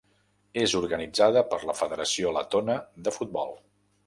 És organitzada per la federació letona de futbol.